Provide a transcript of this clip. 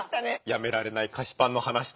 やめられない菓子パンの話とか。